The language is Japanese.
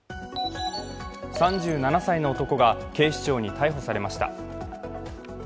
３７歳の男が警視庁に逮捕されました。